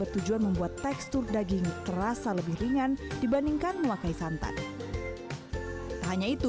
tipikal dimakannya dengan nasi